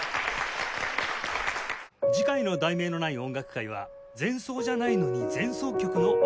次回の『題名のない音楽会』は「前奏じゃないのに“前奏曲”の音楽会」